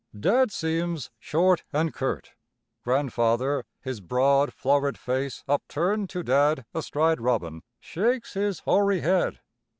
Dad seems short and curt. Grandfather, his broad, florid face upturned to Dad astride Robin, shakes his hoary head.